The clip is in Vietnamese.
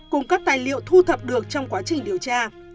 cùng các tài liệu thu thập được trong quá trình điều tra